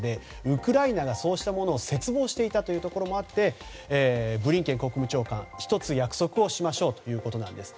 ウクライナがそうしたものを切望していたということもありブリンケン国務長官１つ約束をしましょうということです。